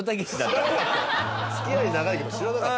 付き合い長いけど知らなかった。